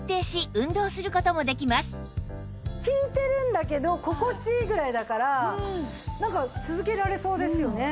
効いてるんだけど心地いいぐらいだからなんか続けられそうですよね。